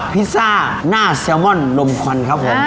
พิซซ่าหน้าแซลมอนลมควันครับผม